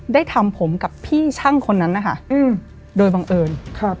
ได้ทำผมกับพี่ช่างคนนั้นนะคะโดยบังเอิญ